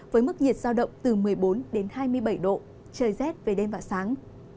với mức nhiệt giao động từ một mươi bốn đến hai mươi bảy độ trời rét về đêm và sáng